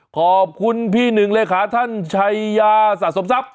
ขอบคุณพี่หนึ่งเลขาท่านชัยยาสะสมทรัพย